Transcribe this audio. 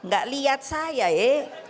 gak lihat saya ya